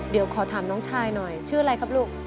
เดี๋ยวขอถามน้องชายหน่อยชื่ออะไรครับลูก